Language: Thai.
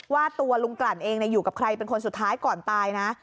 ว่าตัวลุงกลั่นเองอยู่กับใครเป็นคนสุดท้ายก่อนตายนะ